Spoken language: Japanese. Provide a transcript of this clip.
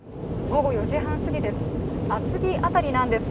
午後４時半過ぎです。